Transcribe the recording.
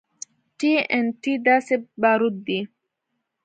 ټي ان ټي داسې باروت دي.